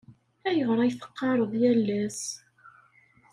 Ayɣer ay teqqareḍ yal ass?